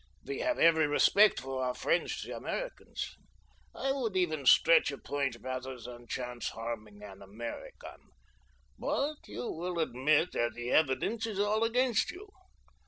"We have every respect for our friends the Americans. I would even stretch a point rather than chance harming an American; but you will admit that the evidence is all against you.